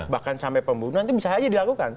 bahkan sampai pembunuhan itu bisa saja dilakukan